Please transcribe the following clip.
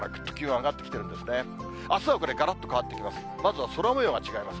あすはこれ、がらっと変わってきます。